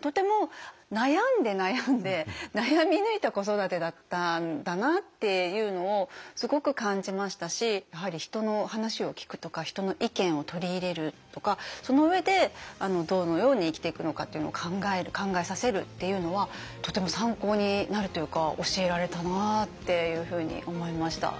とても悩んで悩んで悩み抜いた子育てだったんだなっていうのをすごく感じましたしやはり人の話を聞くとか人の意見を取り入れるとかその上でどのように生きていくのかというのを考える考えさせるっていうのはとても参考になるというか教えられたなっていうふうに思いました。